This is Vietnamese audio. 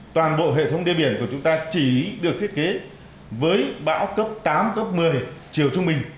toàn bộ hệ thống đê biển của chúng ta chỉ được thiết kế với bão cấp tám cấp một mươi chiều trung bình